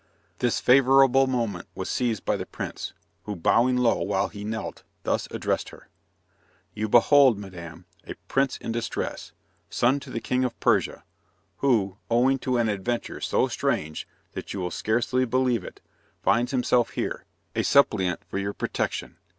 This favourable moment was seized by the prince, who bowing low while he knelt, thus addressed her: "You behold, madame, a prince in distress, son to the King of Persia, who, owing to an adventure so strange that you will scarcely believe it, finds himself here, a suppliant for your protection.